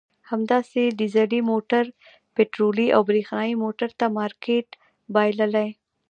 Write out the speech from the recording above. همداسې ډیزلي موټر پټرولي او برېښنایي موټر ته مارکېټ بایللی.